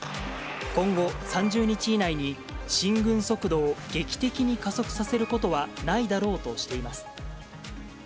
今後３０日以内に、進軍速度を劇的に加速させることはないだろうとしています。